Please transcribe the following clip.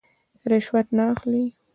رشوت نه اخلي.